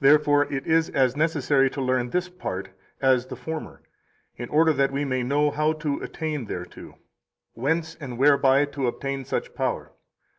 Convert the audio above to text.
Therefore it is as necessary to learn this part as the former in order that we may know how to attain thereto, whence and whereby to obtain such power.